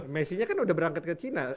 messi nya kan udah berangkat ke cina